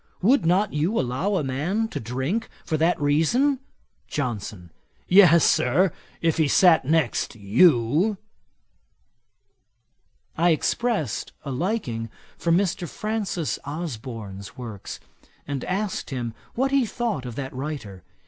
Would not you allow a man to drink for that reason?' JOHNSON. 'Yes, Sir, if he sat next you.' I expressed a liking for Mr. Francis Osborne's works, and asked him what he thought of that writer.